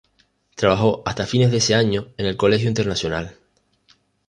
Trabajó hasta fines de ese año en el Colegio Internacional.